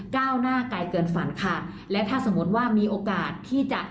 ก้าวหน้าไกลเกินฝันค่ะและถ้าสมมติว่ามีโอกาสที่จะ